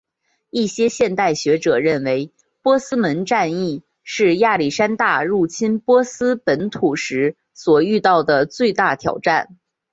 一些现代学者认为波斯门战役是亚历山大入侵波斯本土时所遇到的最大挑战。